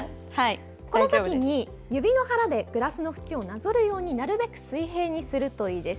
このときに指の腹でグラスの縁をなでるようになるべく水平にするといいです。